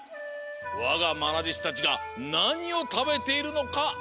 わがまなでしたちがなにをたべているのかあててみよ！